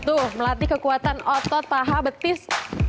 tuh melatih kekuatan otot paha betis